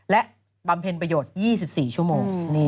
และบำเพ็ญประโยชน์๒๔ชั่วโมง